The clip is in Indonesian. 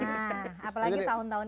nah apalagi tahun tahun ini